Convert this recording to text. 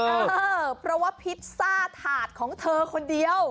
เออเพราะว่าพิซซ่าถาดของเธอคนเดียว